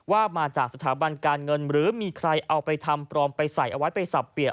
ว่ามาจากสถาบันการเงินหรือมีใครเอาไปทำปลอมไปใส่เอาไว้ไปสับเปลี่ยน